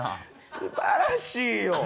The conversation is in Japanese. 素晴らしいよ！